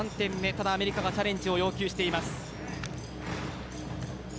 ただアメリカがチャレンジを要求しています。